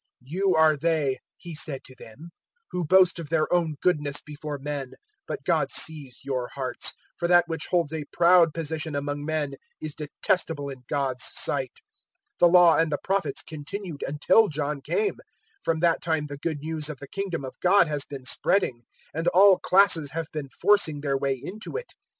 016:015 "You are they," He said to them, "who boast of their own goodness before men, but God sees your hearts; for that which holds a proud position among men is detestable in God's sight. 016:016 The Law and the Prophets continued until John came: from that time the Good News of the Kingdom of God has been spreading, and all classes have been forcing their way into it.